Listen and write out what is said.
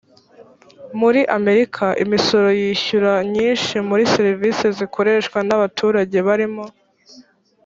muri amerika imisoro yishyura nyinshi muri serivise zikoreshwa n abaturage barimo